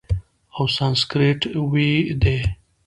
او سانسکریت ویی دی،